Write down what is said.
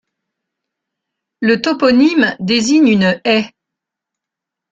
Le toponyme désigne une haie.